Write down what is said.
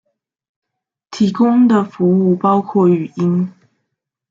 提供的服务包括话音。